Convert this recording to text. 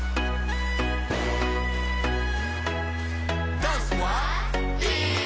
ダンスはＥ！